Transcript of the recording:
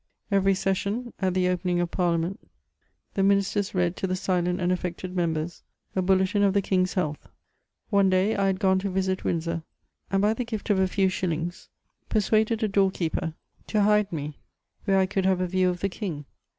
Every session, at the opening of parliament, the lAinisters read to the silent and affected members a bulletin of the king's health. One day, I had gone to visit Windsor ; and by the gift of a few shillings, persuaded a door keeper to hide me where I could have a view of the king.